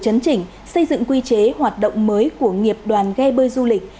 với chấn chỉnh xây dựng quy chế hoạt động mới của nghiệp đoàn gai bơi du lịch